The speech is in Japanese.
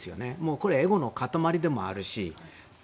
これはエゴの塊でもあるし